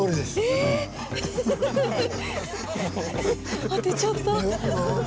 えぇ⁉当てちゃった。